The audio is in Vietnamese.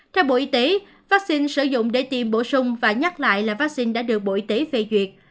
theo bộ y tế vaccine sử dụng để tiêm bổ sung và nhắc lại là vaccine đã được bộ y tế phê duyệt